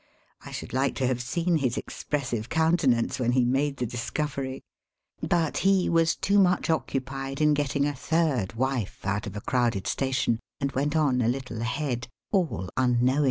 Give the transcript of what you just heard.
I should like to have seen his expressive countenance when he made the discovery* But he was too much occupied in getting a third wife out of a crowded station and went on a little ahead,, all unknowing.